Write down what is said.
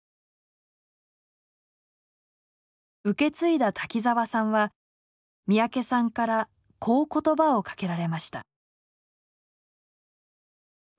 受け継いだ滝沢さんは三宅さんからこう言葉をかけられました。